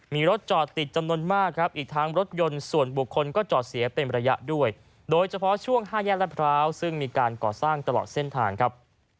มีรถจอดติดจำนวนมากครับอีกทั้งรถยนต์ส่วนบุคคลก็จอดเสียเป็นระยะด้วยโดยเฉพาะช่วง๕แยกรัฐพร้าวซึ่งมีการก่อสร้างตลอดเส้นทางครับ